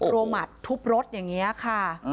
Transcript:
โรงหมัดทุบรถอย่างเงี้ยค่ะ